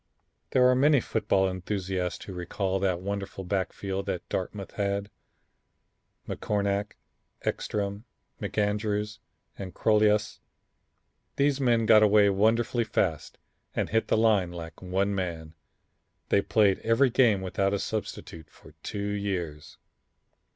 There are many football enthusiasts who recall that wonderful backfield that Dartmouth had, McCornack, Eckstrom, McAndrews and Crolius. These men got away wonderfully fast and hit the line like one man. They played every game without a substitute for two years.